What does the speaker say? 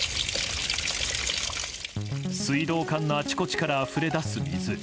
水道管のあちこちからあふれ出す水。